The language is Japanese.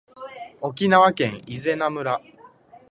沖縄県伊是名村